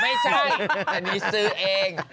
ไม่ใช่อันนี้ซื้อเอง